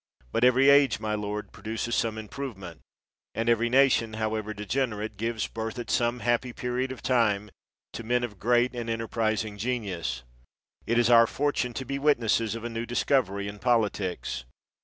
But every age, my lords, produces some 171 THE WORLD'S FAMOUS ORATIONS improvement; and every nation, however de generate, gives birth, at some happy period of time, to men of great and enterprising genius. It is our fortune to be witnesses of a new dis covery in politics.